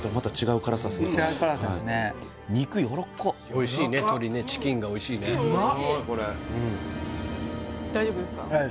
おいしいね鶏ねチキンがおいしいね大丈夫です